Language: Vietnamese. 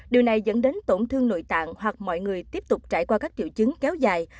điều này dẫn đến tổn thương nội tạng hoặc mọi người tiếp tục trải qua các triệu chứng kéo dài